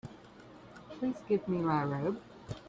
Please give me my robe.